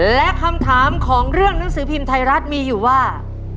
และคำถามของเรื่องหนังสือพิมพ์ไทยรัฐมีอยู่ว่า